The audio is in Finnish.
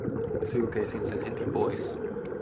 Sylkäisin sen heti pois.